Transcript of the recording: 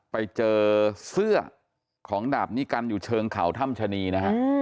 ไปเจอเสื้อของดาบนิกันอยู่เชิงเขาถ้ำชะนีนะฮะ